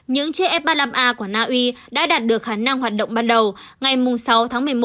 những chiếc f ba mươi năm a của na uy đã đạt được khả năng hoạt động ban đầu ngày sáu tháng một mươi một năm hai nghìn hai mươi một